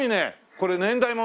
これ年代物？